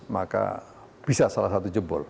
maka bisa salah satu jebol